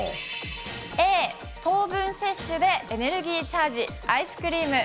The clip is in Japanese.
Ａ、糖分摂取でエネルギーチャージ、アイスクリーム。